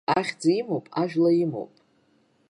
Ахьыӡ имоуп, ажәла имоуп.